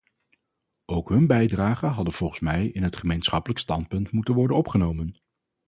Ook hun bijdragen hadden volgens mij in het gemeenschappelijk standpunt moeten worden opgenomen.